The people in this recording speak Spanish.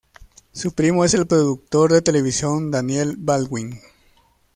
Su primo es el productor de televisión Daniel Baldwin.